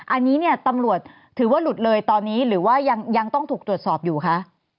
อันนี้เนี่ยตำรวจถือว่าหลุดเลยตอนนี้หรือว่ายังต้องถูกตรวจสอบอยู่คะ